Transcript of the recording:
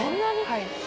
はい。